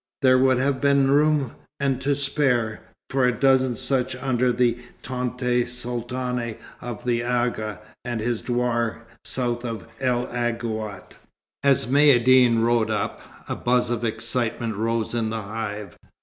There would have been room and to spare for a dozen such under the tente sultane of the Agha, at his douar south of El Aghouat. As Maïeddine rode up, a buzz of excitement rose in the hive.